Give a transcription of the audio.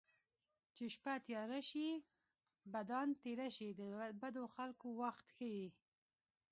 چې شپه تیاره شي بدان تېره شي د بدو خلکو وخت ښيي